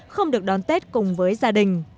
không được đón tết cùng với gia đình